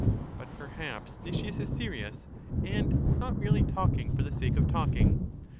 But perhaps Nicias is serious, and not merely talking for the sake of talking.